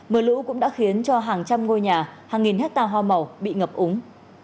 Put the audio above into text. mưa lũ cũng đã khiến cho hàng trăm ngôi nhà hàng nghìn hectare hoa màu bị ngập úng